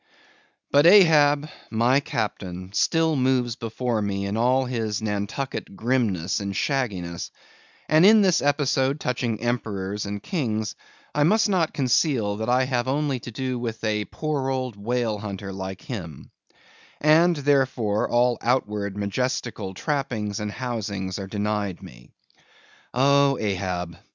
But Ahab, my Captain, still moves before me in all his Nantucket grimness and shagginess; and in this episode touching Emperors and Kings, I must not conceal that I have only to do with a poor old whale hunter like him; and, therefore, all outward majestical trappings and housings are denied me. Oh, Ahab!